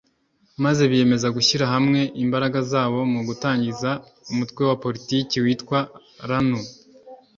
maze biyemeza gushyira hamwe imbaraga zabo mu gutangiza Umutwe wa Politiki witwaga RANU